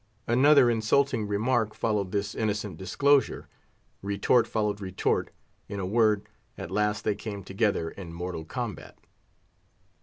Another insulting remark followed this innocent disclosure; retort followed retort; in a word, at last they came together in mortal combat.